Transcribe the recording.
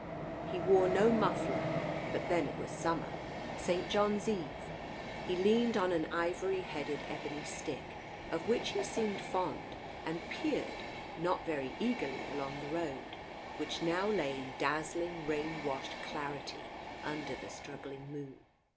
He wore no muffler, but then it was summer — St. John's Eve, He leaned on an ivory headed ebony stick of which he seemed fond, and peered, not very eagerly, along the road, which now lay in dazzling rain washed clarity under the struggling moon.